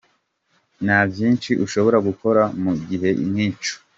"Nta vyinshi ushobora gukora mu gihe nkico.